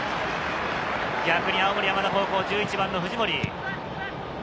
逆に青森山田高校、１１番の藤森。